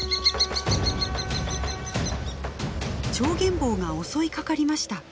チョウゲンボウが襲いかかりました。